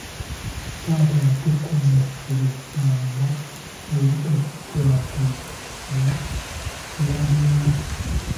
Taata yatukomekkerezanga obutakwatanga ku kalaadiyo ke.